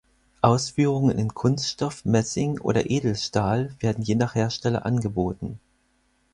Ausführungen in Kunststoff, Messing oder Edelstahl werden je nach Hersteller angeboten.